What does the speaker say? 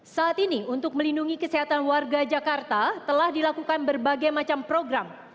saat ini untuk melindungi kesehatan warga jakarta telah dilakukan berbagai macam program